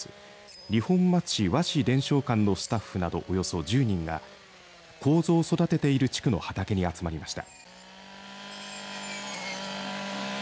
二本松市和紙伝承館のスタッフなどおよそ１０人がこうぞを育てている地区の畑に集まりました。